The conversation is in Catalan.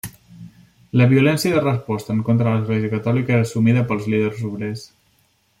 La violència de resposta en contra de l'Església Catòlica era assumida pels líders obrers.